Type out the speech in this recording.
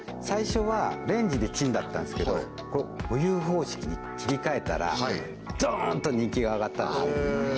最初はレンジでチンだったんですけどお湯方式に切り替えたらドーンと人気が上がったんですね